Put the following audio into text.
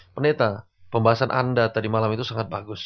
peneta pembahasan anda tadi malam itu sangat bagus